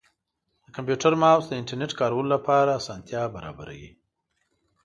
د کمپیوټر ماؤس د انټرنیټ کارولو اسانتیا برابروي.